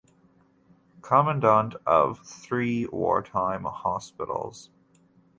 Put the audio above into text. Commandant of Three Wartime Hospitals.